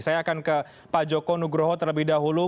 saya akan ke pak joko nugroho terlebih dahulu